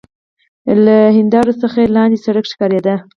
له ښيښو څخه يې لاندې سړک ښکارېده.